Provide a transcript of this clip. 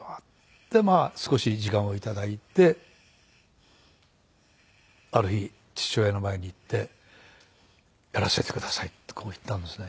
でまあ少し時間をいただいてある日父親の前に行って「やらせてください」ってこう言ったんですね。